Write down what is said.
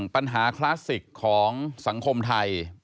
ปัญหาคลาสสิคของสังคมไทย